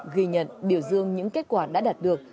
ghi nhận biểu dương những kết quả đã đạt được